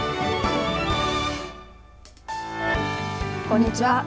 こんにちは。